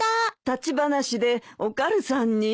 立ち話でお軽さんに。